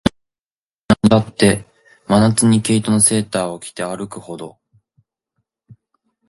なに、自分だって、真夏に毛糸のセーターを着て歩くほど、